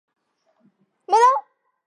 你确定行程了吗？